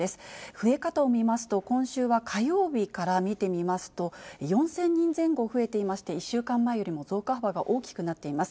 増え方を見ますと、今週は火曜日から見てみますと、４０００人前後増えていまして、１週間前よりも増加幅が大きくなっています。